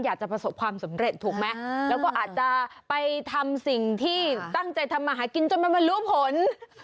อยากจะประสบความสำเร็จถูกไหมแล้วก็อาจจะไปทำสิ่งที่ตั้งใจทำมาหากินจนมันมารู้ผล